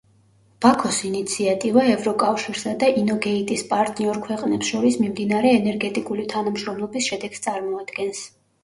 ბაქოს ინიციატივა ევროკავშირსა და ინოგეიტის პარტნიორ ქვეყნებს შორის მიმდინარე ენერგეტიკული თანამშრომლობის შედეგს წარმოადგენს.